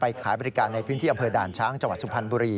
ขายบริการในพื้นที่อำเภอด่านช้างจังหวัดสุพรรณบุรี